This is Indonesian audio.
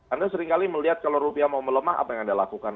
anda seringkali melihat kalau rupiah mau melemah apa yang anda lakukan